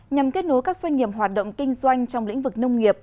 nhằm kết nối các doanh nghiệp hoạt động kinh doanh trong lĩnh vực nông nghiệp